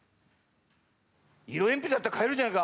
色鉛筆だって買えるじゃないか。